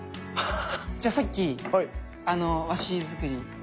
じゃあさっき和紙作り。